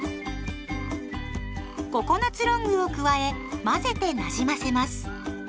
ココナツロングを加え混ぜてなじませます。